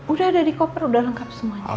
udah ada di koper udah lengkap semuanya